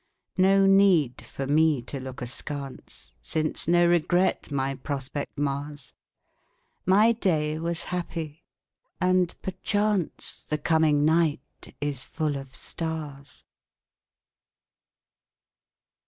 No need for me to look askance, Since no regret my prospect mars. My day was happy and perchance The coming night is full of stars.